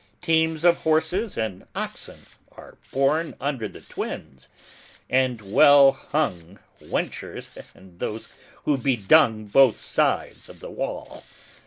Teams of horses and oxen are born under the Twins, and well hung wenchers and those who bedung both sides of the wall.